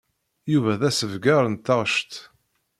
Yuba d asegbar n taɣect.